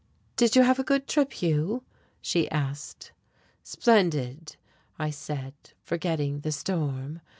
"Did you have a good trip, Hugh?" she asked. "Splendid," I said, forgetting the storm.